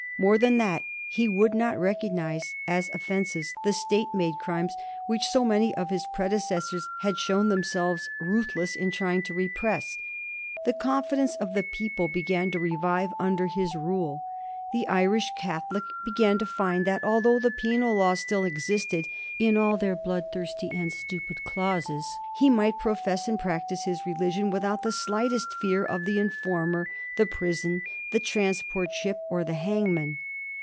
More than that, he would not recognize as offences the State made crimes which so many of his predecessors'* had shown themselves ruthless in trying to repress. The confidence of thc» people began to rovivo under his rule. The Irish 11* 250 A HISTORY OF THE FOUR GEORGES, ch. xxxni. Catholic begaD to find that although the Penal Laws still existed, in all their blood thirsty and stupid clauses, he might profess and practise his religion without the slight est fear of the informer, the prison, the transport ship, or the hangman.